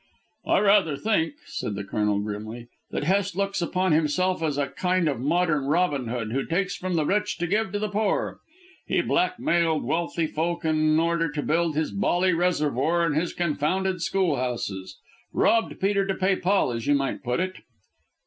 "I rather think," said the Colonel grimly, "that Hest looks upon himself as a kind of modern Robin Hood, who takes from the rich to give to the poor. He blackmailed wealthy folk in order to build his Bolly Reservoir and his confounded school houses. Robbed Peter to pay Paul, as you might put it."